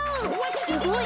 すごい！